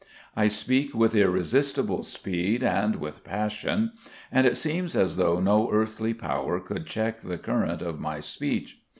I speak with irresistible speed, and with passion, and it seems as though no earthly power could check the current of my speech.